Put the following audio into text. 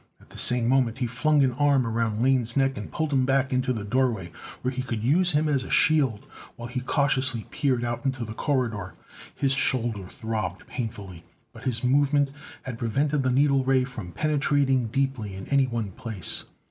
At the same moment he flung an arm around Lane's neck and pulled him back into the doorway, where he could use him as a shield while he cautiously peered out into the corridor. His shoulder throbbed painfully, but his movement had prevented the needle ray from penetrating deeply in any one place.